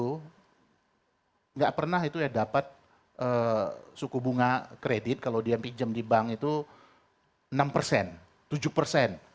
tidak pernah itu ya dapat suku bunga kredit kalau dia pinjam di bank itu enam persen tujuh persen